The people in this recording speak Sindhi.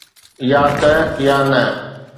يا ته يا نه.